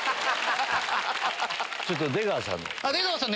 ちょっと出川さんの。